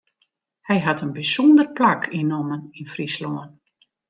Hy hat in bysûnder plak ynnommen yn Fryslân.